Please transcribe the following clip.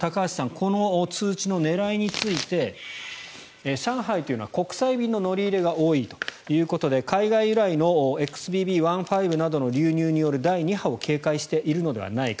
この通知の狙いについて上海は国際便の乗り入れが多いということで海外由来のＸＢＢ．１．５などの流入による第２波を警戒しているのではないか。